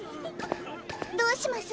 ・どうします？